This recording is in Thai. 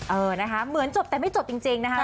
เออนะคะเหมือนจบแต่ไม่จบจริงนะคะ